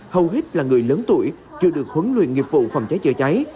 hầu hết là người lớn tuổi chưa được huấn luyện nghiệp vụ phòng cháy chữa cháy